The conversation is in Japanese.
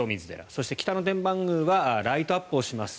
そして北野天満宮はライトアップをします。